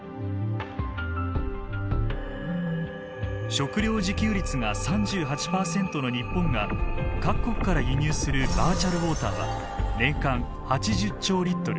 食料自給率が３８％の日本が各国から輸入するバーチャルウォーターは年間８０兆リットル。